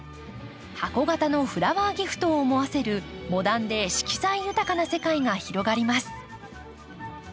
箱形のフラワーギフトを思わせるモダンで色彩豊かな世界が広がります。